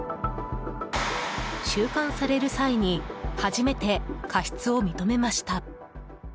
収監される際に初めて過失を認めました。